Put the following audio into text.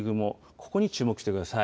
ここに注目してください。